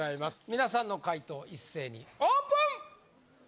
皆さんの解答一斉にオープン！